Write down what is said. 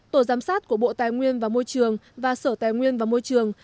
tổ giám sát của bộ tài nguyên và môi trường và sở tài nguyên và môi trường